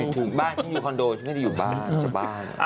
ถึงบ้านชั้นอยู่คอนโดไม่คิดจะอยู่บ้าน